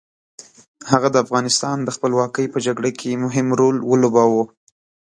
هغه د افغانستان د خپلواکۍ په جګړه کې مهم رول ولوباوه.